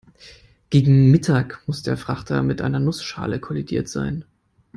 Gegen Mittag muss der Frachter mit einer Nussschale kollidiert sein.